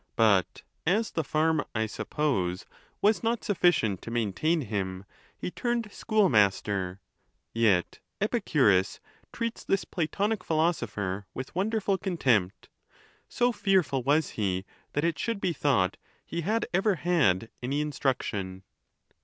235 but as the farm, I suppose, was not sufficient to maintain him, he turned school mastei ; yet Epicurus treats this Pla tonic philosopher with wonderful contempt, so fearful was he that it should be thought he had ever had any instruc tion.